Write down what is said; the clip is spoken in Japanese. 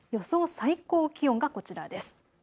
最高気温がこちらです。